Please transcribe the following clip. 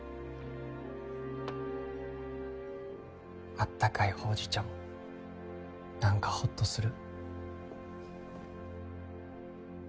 あったかいほうじ茶も何かほっとする。